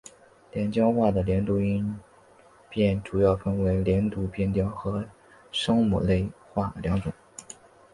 连江话的连读音变主要分为连读变调和声母类化两种。